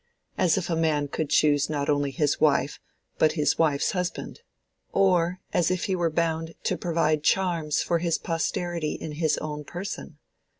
As if a man could choose not only his wife but his wife's husband! Or as if he were bound to provide charms for his posterity in his own person!